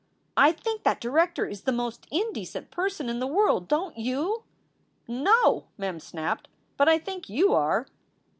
I think that director is the most indecent person in the world. Don t you?" "No!" Mem snapped. "But I think you are."